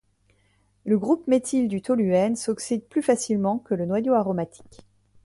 Le groupe méthyle du toluène s'oxyde plus facilement que le noyau aromatique.